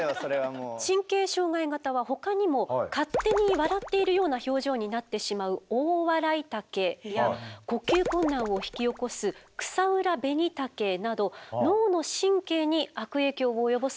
神経障害型はほかにも勝手に笑っているような表情になってしまうオオワライタケや呼吸困難を引き起こすクサウラベニタケなど脳の神経に悪影響を及ぼすものが多くなっています。